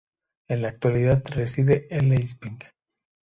En la actualidad reside en Leipzig.